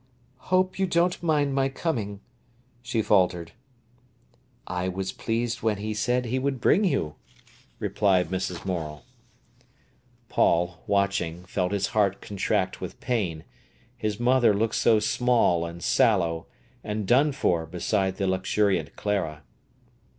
"I hope you don't mind my coming," she faltered. "I was pleased when he said he would bring you," replied Mrs. Morel. Paul, watching, felt his heart contract with pain. His mother looked so small, and sallow, and done for beside the luxuriant Clara.